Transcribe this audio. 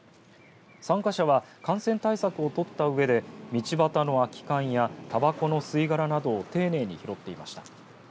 参加者は感染対策を取ったうえで道端の空き缶やたばこの吸い殻などを丁寧に拾っていました。